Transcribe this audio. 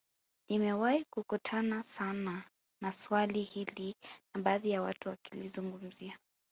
Nimewahi kukutana sana na swali hili na baadhi ya watu wakilizungumzia